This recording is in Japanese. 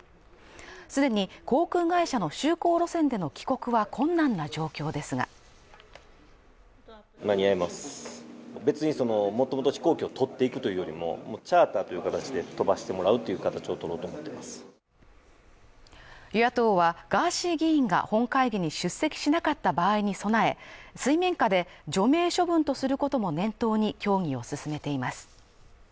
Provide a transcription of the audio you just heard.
既に航空会社の就航路線での帰国は困難な状況ですが与野党、ガーシー議員が本会議に出席しなかった場合に備え、水面下で除名処分とすることも念頭に協議を進めています。